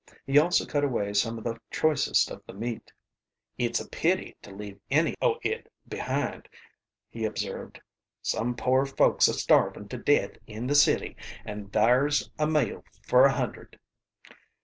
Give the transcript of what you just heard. He also cut away some of the choicest of the meat. "It's a pity to leave any o' it behind," he observed. "Some poor folks a starvin' to deth in the city, an' thar's a meal fer a hundred!"